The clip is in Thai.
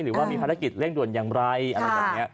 หรือว่ามีภารกิจเร่งด่วนอย่างไรอะไรแบบนี้